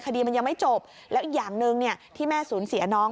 คดีมันยังไม่จบแล้วอีกอย่างหนึ่งที่แม่สูญเสียน้อง